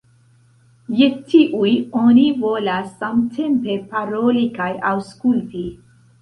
Je tiuj oni volas samtempe paroli kaj aŭskulti.